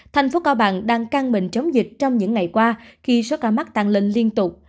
tp cb đang căng mình chống dịch trong những ngày qua khi số ca mắc tăng lên liên tục